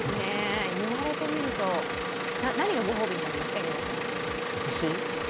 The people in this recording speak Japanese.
言われてみると、何がご褒美になりますか？